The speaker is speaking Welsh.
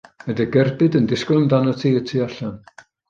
Mae dy gerbyd yn disgwyl amdanat ti y tu allan.